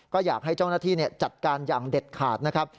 ก็อยากให้เจ้าหน้าที่จัดการอย่างเด็ดขาดนะครับ